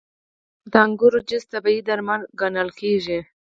• د انګورو جوس طبیعي درمل ګڼل کېږي.